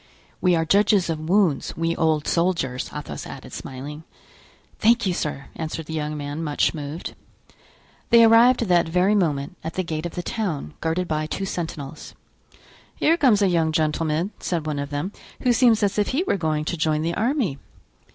We are judges of wounds, we old soldiers," Athos added, smiling. "Thank you, sir," answered the young man, much moved. They arrived that very moment at the gate of the town, guarded by two sentinels. "Here comes a young gentleman," said one of them, "who seems as if he were going to join the army."